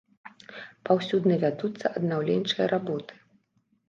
Паўсюдна вядуцца аднаўленчыя работы.